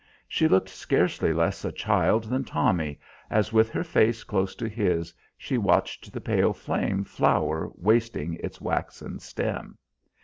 She looked scarcely less a child than Tommy, as, with her face close to his, she watched the pale flame flower wasting its waxen stem.